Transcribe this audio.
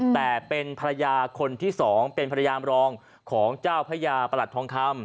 แต่เป็นภรรยาคนที่สองเป็นภรรยามรองของเจ้าพระยาประหลัดทองคำ